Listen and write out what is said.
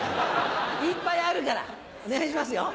いっぱいあるからお願いしますよ。